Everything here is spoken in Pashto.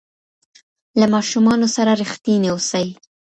له ماشومانو سره رښتیني اوسئ.